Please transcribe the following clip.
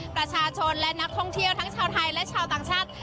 ประชาชนและนักท่องเที่ยวทั้งชาวไทยและชาวต่างชาติ